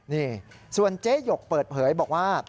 นี่ส่วนเจ๊หยกเปิดเผยบอกว่า